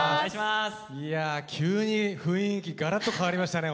いや急に雰囲気ガラッと変わりましたね。